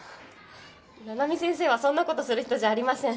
七海先生はそんな事する人じゃありません。